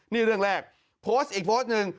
นี่เรื่องแรกโพสต์อีกโพสต์หนึ่ง